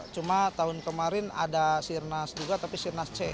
cuma tahun kemarin ada sirnas juga tapi sirnas c